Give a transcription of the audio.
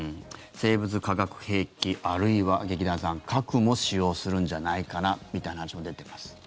生物・化学兵器あるいは劇団さん核も使用するんじゃないかなみたいな話も出ています。